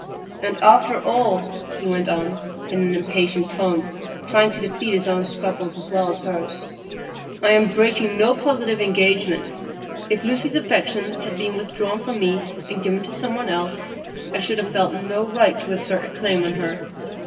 "And after all," he went on, in an impatient tone, trying to defeat his own scruples as well as hers, "I am breaking no positive engagement; if Lucy's affections had been withdrawn from me and given to some one else, I should have felt no right to assert a claim on her.